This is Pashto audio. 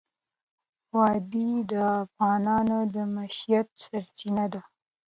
وادي د افغانانو د معیشت سرچینه ده.